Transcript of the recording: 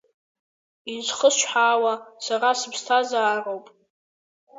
Изхысҳәаауа, сара сыԥсҭазаароуп.